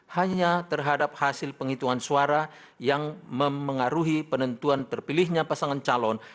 hanya terhadap hasil penghitungan suara yang mempengaruhi penentuan terpilihnya pasangan calon